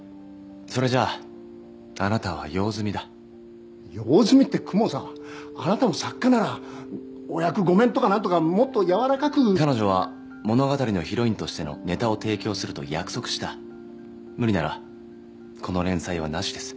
それじゃああなたは用済みだ用済みって公文さんあなたも作家ならお役御免とかなんとかもっと柔らかく彼女は物語のヒロインとしてのネタを提供すると約束した無理ならこの連載はなしです